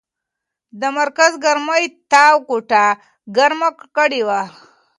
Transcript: د مرکز ګرمۍ تاو کوټه ګرمه کړې وه.